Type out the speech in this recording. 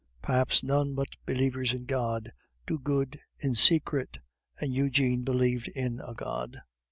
Perhaps none but believers in God do good in secret; and Eugene believed in a God.